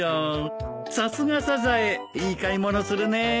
さすがサザエいい買い物するね。